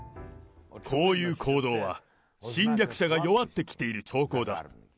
こういう行動は、侵略者が弱ってきている兆候だ。